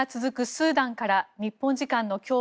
スーダンから日本時間の今日